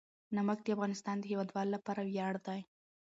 نمک د افغانستان د هیوادوالو لپاره ویاړ دی.